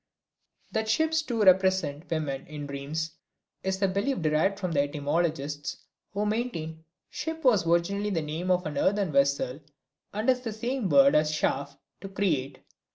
That ships, too, represent women in dreams is a belief derived from the etymologists, who maintain "ship" was originally the name of an earthen vessel and is the same word as Schaff (to create).